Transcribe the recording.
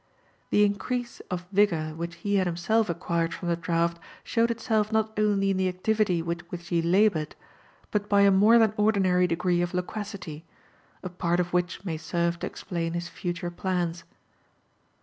The increase of vigour which he had himself acquired from the draught showed itself not only in the activity with which he laboured, but by a more than ordinary degree of loquacity — a part of which may serve to explain his future plans.